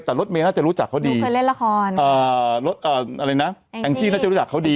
แต่รถเมย์น่าจะรู้จักเขาดีเคยเล่นละครอะไรนะแองจี้น่าจะรู้จักเขาดี